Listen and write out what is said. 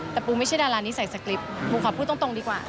แต่ปูไม่ใช่ดารานิสัยสกริปปูขอพูดตรงดีกว่า